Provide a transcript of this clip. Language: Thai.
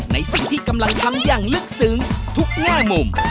ในสิ่งที่กำลังทำอย่างลึกซึ้งทุกแง่มุม